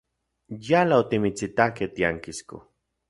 Yala otimitsitakej tiankisko.